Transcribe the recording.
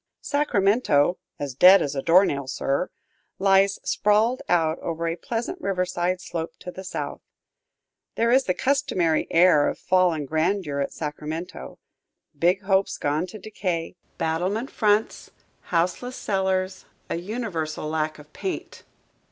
Sacramento "as dead as a door nail, sir" lies sprawled out over a pleasant riverside slope to the south. There is the customary air of fallen grandeur at Sacramento, big hopes gone to decay; battlement fronts, houseless cellars, a universal lack of paint.